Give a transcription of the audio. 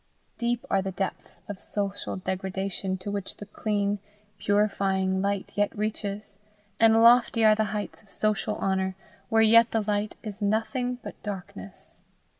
Deep are the depths of social degradation to which the clean, purifying light yet reaches, and lofty are the heights of social honour where yet the light is nothing but darkness.